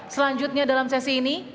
selanjutnya dalam sesi ini